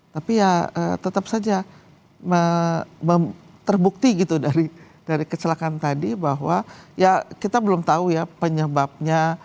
tapi ya tetap saja terbukti gitu dari kecelakaan tadi bahwa ya kita belum tahu ya penyebabnya